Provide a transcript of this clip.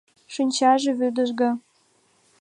Шинчаже вӱдыжга.